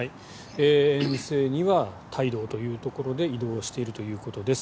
遠征には帯同ということで移動しているということです。